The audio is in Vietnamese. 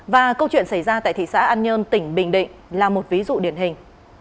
và câu chuyện xảy ra tại thị xã an nhơn tỉnh bình định là một ví dụ điển hình